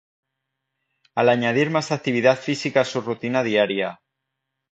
Al añadir más actividad física a su rutina diaria